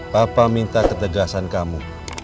papa minta ketegasan kamu